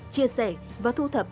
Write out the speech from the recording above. chia sẻ và thu thập